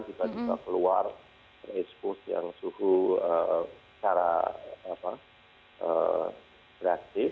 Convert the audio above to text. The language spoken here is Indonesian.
kita juga keluar expose yang suhu secara reaktif